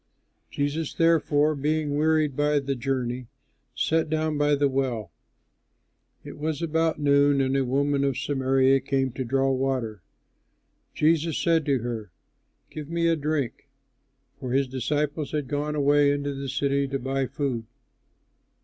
Jesus, therefore, being wearied by the journey, sat down by the well. It was about noon and a woman of Samaria came to draw water. Jesus said to her, "Give me a drink." (For his disciples had gone away into the city to buy food.)